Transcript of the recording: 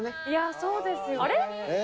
いやぁ、そうですよ。